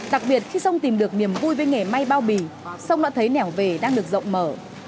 đặc biệt khi sông tìm được niềm vui với nghề may bao bì sông đã thấy nẻo về đang được rộng mở